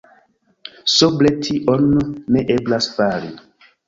Sobre tion ne eblas fari.